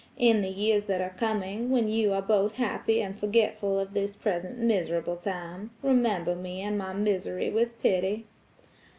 In the years that are coming, when you are both happy and forgetful of this present miserable time, remember me and my misery with pity."